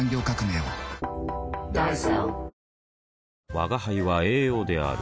吾輩は栄養である